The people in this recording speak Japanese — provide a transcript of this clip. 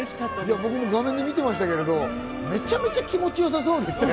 僕見てましたけど、めちゃめちゃ気持ちよさそうでしたね。